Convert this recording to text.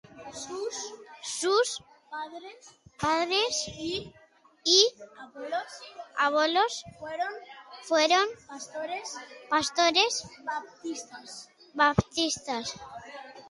Sus padres y abuelos fueron pastores baptistas.